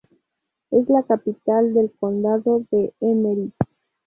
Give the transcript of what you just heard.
Es la capital del condado de Emery.